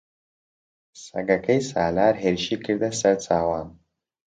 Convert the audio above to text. سەگەکەی سالار هێرشی کردە سەر چاوان.